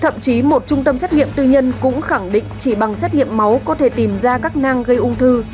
thậm chí một trung tâm xét nghiệm tư nhân cũng khẳng định chỉ bằng xét nghiệm máu có thể tìm ra các năng gây ung thư